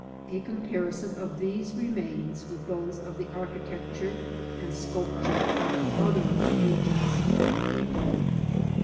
a comparison of these remains with those of the architec ture and sculpture of other ages and people.